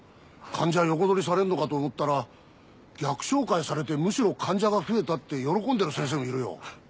患者横取りされるのかと思ったら逆紹介されてむしろ患者が増えたって喜んでる先生もいるよ。